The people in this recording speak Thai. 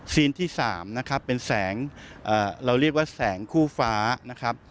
ซีนที่๓เป็นแสงเราเรียกว่าแสงคู่ฟ้า